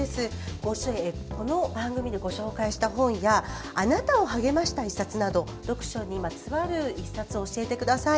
この番組でご紹介した本やあなたを励ました本など読書にまつわる１冊を教えてください。